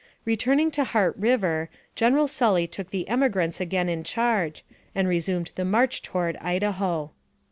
Returning to Heart River, General Sully took the emigrants again in charge, and resumed the march toward Idaho.